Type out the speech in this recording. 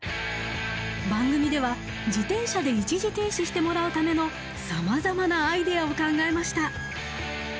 番組では自転車で一時停止してもらうためのさまざまなアイデアを考えました。